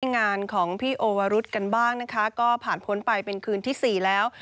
งานของพี่โอวรุษกันบ้างนะคะก็ผ่านพ้นไปเป็นคืนที่สี่แล้ว